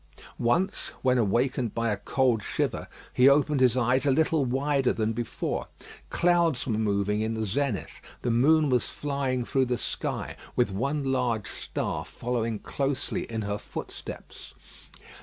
Once, when awakened by a cold shiver, he opened his eyes a little wider than before. Clouds were moving in the zenith; the moon was flying through the sky, with one large star following closely in her footsteps.